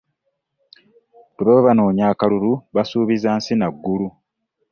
Bwe baba banoonya akalulu basuubiza nsi na ggulu.